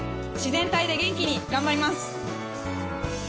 自然体で元気に頑張ります。